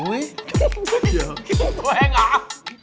ครึ่งตัวเองหรอ